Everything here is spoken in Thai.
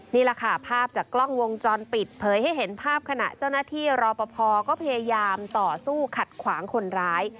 นี่แหละค่ะภาพจากกล้องวงจรปิดเผยให้เห็นภาพขณะเจ้าหน้าที่รอปภก็พยายามต่อสู้ขัดขวางคนร้าย